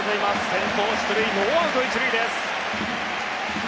先頭出塁でノーアウト１塁です。